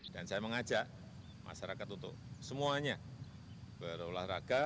dan saya mengajak masyarakat untuk semuanya berolahraga